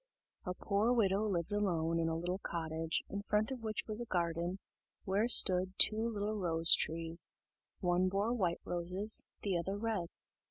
A poor widow lived alone in a little cottage, in front of which was a garden, where stood two little rose trees: one bore white roses, the other red.